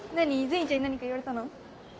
善意ちゃんに何か言われたの？